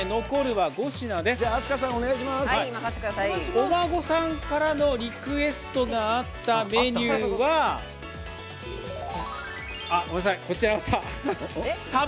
お孫さんからのリクエストがあったメニューは、違った！